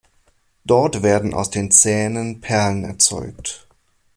Dort werden aus den Zähnen Perlen erzeugt.